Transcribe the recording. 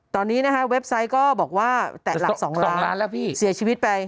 ตอนนี้นะคะเว็บไซต์ก็บอกว่าแตะหลัก๒ล้านแล้วพี่เสียชีวิตไป